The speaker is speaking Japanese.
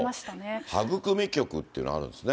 はぐくみ局っていうのがあるんですね。